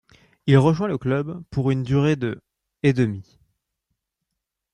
Il rejoint le club pour une durée de et demi.